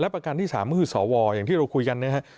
ประกันที่๓ก็คือสวอย่างที่เราคุยกันนะครับ